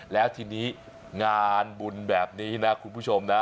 แล้วทีนี้งานบุญแบบนี้นะคุณผู้ชมนะ